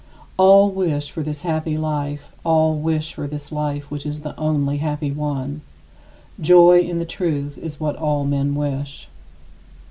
" All wish for this happy life; all wish for this life which is the only happy one: joy in the truth is what all men wish.